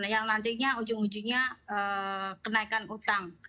yang nantinya ujung ujungnya kenaikan utang